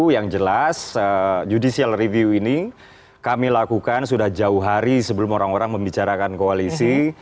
yang jelas judicial review ini kami lakukan sudah jauh hari sebelum orang orang membicarakan koalisi